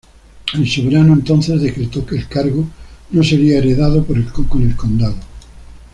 El soberano entonces decretó que el cargo no sería heredado con el condado.